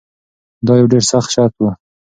دا یو ډیر سخت شرط و.